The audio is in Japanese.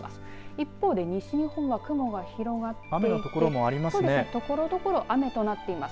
一方で西日本は雲が広がっていてところどころ雨となっています。